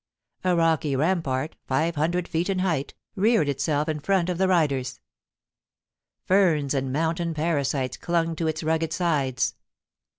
A rocky rampart, five hundred feet in height, reared itself in front of the riders. Ferns and mountain parasites clung to its rugged sides.